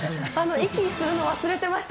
息をするのを忘れてました、